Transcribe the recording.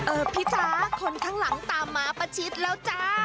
พี่จ๊ะคนข้างหลังตามมาประชิดแล้วจ้า